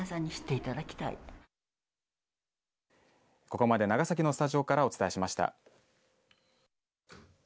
ここまで長崎のスタジオからお伝えしました。